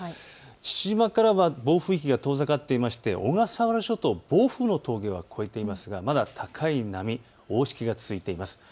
父島からは暴風域が遠ざかっています小笠原諸島、暴風の峠は越えていますがまだ高い波、大しけが続いています。